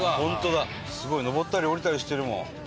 すごい上ったり下りたりしてるもん。